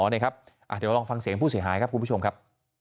เดี๋ยวลองฟังเสียงผู้เสียหายครับคุณผู้ชมครับ